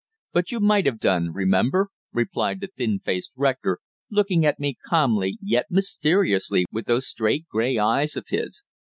"But you might have done, remember," replied the thin faced rector, looking at me calmly yet mysteriously with those straight grey eyes of his.